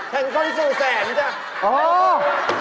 เป็นคนสู่แสนจ้ะ